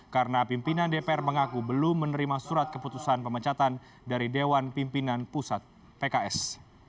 karena pimpinan dpr mengaku belum menerima surat keputusan pemecatan dari dewan pimpinan pusat pks